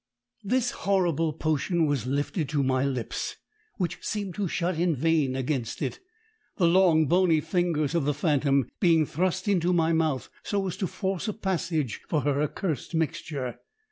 This horrible potion was lifted to my lips, which seemed to shut in vain against it, the long, bony fingers of the phantom being thrust into my mouth, so as to force a passage for her accursed mixture.